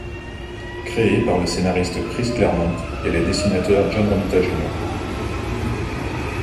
Créé par le scénariste Chris Claremont et les dessinateurs John Romita, Jr.